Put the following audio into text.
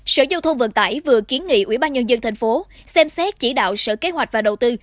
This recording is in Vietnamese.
sở giao thông vận tải vừa kiến nghị ubnd tp xem xét chỉ đạo sở kế hoạch và đầu tư